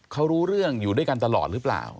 เขารู้เรื่องอยู่ด้วยกันตลอดหรือเปล่า